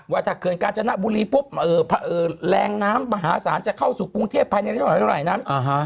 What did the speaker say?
วัฒนาเกินการจนบุรีแรงน้ำมหาศาลจะเข้าสู่กรุงเทพภัยในเท่าไหร่นั้น